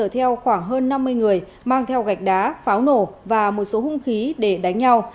theo khoảng hơn năm mươi người mang theo gạch đá pháo nổ và một số hung khí để đánh nhau